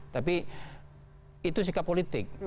tapi itu sikap politik